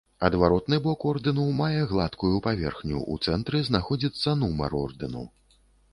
Адваротны бок ордэну мае гладкую паверхню, у цэнтры знаходзіцца нумар ордэну.